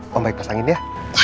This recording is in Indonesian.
pembaik pasangin dia